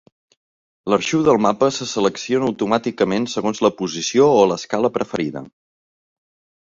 L'arxiu del mapa se selecciona automàticament segons la posició o l'escala preferida.